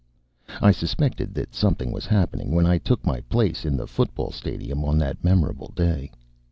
I suspected that something was happening when I took my place in the football stadium on that memorable day.